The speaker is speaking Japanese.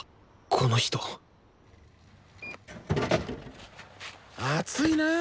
この人暑いなあ。